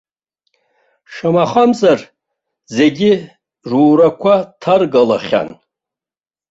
Шамахамзар, зегьы рурақәа ҭаргалахьан.